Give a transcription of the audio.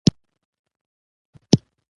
د پکتیا مڼې هم بازار لري.